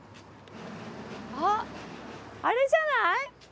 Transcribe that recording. あっあれじゃない？